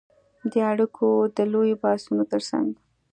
د اړیکو د لویو بحثونو ترڅنګ